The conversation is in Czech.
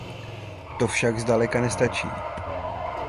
To však zdaleka nestačí.